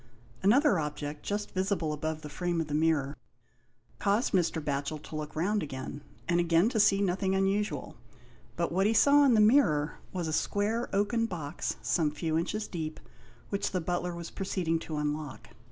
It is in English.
Another object, just visible above the frame of the mirror, caused Mr. Batchel to look round again, and again to see nothing unusual. But 130 THE INDIAN LAMP SHADE. what he saw in the mirror was a square oaken box some few inches deep, which the butler was proceeding to unlock.